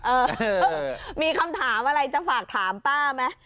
เออมีคำถามอะไรจะฝากถามป้าไหม